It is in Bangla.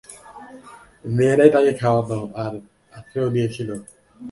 মেষেরাই তাকে খাওয়াত আর আশ্রয়ও দিয়েছিল।